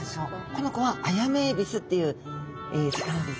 この子はアヤメエビスっていう魚ですね。